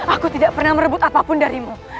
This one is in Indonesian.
aku tidak pernah merebut apapun darimu